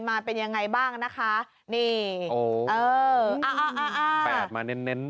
มาเป็นยังไงบ้างนะคะนี่โอ้เอออ่าอ่าแปดมาเน้นเน้น